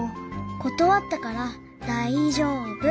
断ったから大丈夫。